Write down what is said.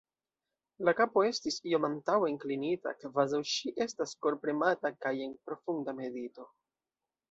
La kapo estis iom antaŭen klinita, kvazaŭ ŝi estas korpremata kaj en profunda medito.